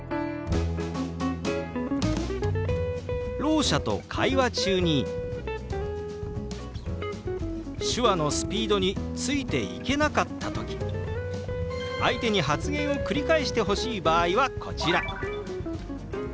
ろう者と会話中に手話のスピードについていけなかった時相手に発言を繰り返してほしい場合はこちら。